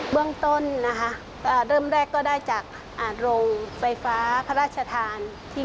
เบื้องต้นเริ่มแรกได้จากโรงไฟฟ้าพระราชทาน